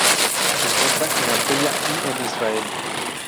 Se encuentra en Argelia y en Israel.